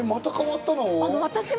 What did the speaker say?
また変わったの？